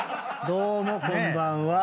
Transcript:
どうもこんばんは。